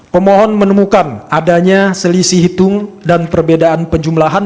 pemohon menemukan adanya selisih hitung dan perbedaan penjumlahan